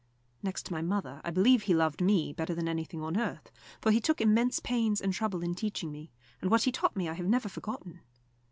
Next to my mother, I believe he loved me better than anything on earth, for he took immense pains and trouble in teaching me, and what he taught me I have never forgotten.